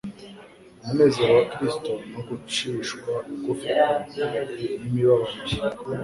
Umunezero wa Kristo, no gucishwa bugufi kwe n'imibabaro ye